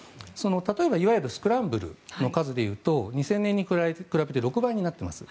例えばいわゆるスクランブル発進でいうと２０００年に比べて６倍になっています。